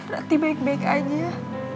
rati baik baik aja ya